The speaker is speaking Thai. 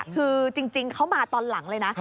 คือจริงเขามาตอนหลังเลยนะ